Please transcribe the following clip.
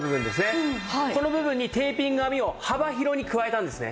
この部分にテーピング編みを幅広に加えたんですね。